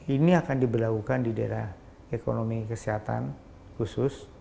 ini akan diberlakukan di daerah ekonomi kesehatan khusus